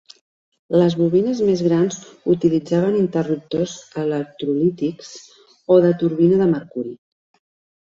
Les bobines més grans utilitzaven interruptors electrolítics o de turbina de mercuri.